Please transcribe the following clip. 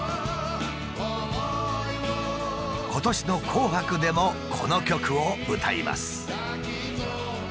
今年の「紅白」でもこの曲を歌います。